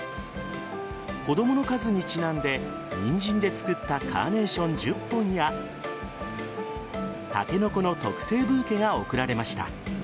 子供の数にちなんでニンジンで作ったカーネーション１０本やタケノコの特製ブーケが贈られました。